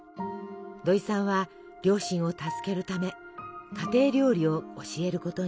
土井さんは両親を助けるため家庭料理を教えることに。